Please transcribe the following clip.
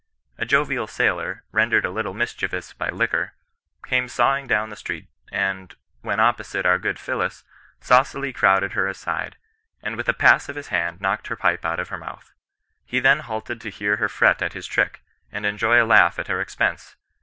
A jovial sailor, rendered a little mischievous by liquor, came sawing down the street, and, when opposite our good Phillis, saucily crowded her aside, and with a pass of his hand knocked her pipe out of her mouth. He then halted to hear her fret at his trick, and enjoy a laugh at her expense.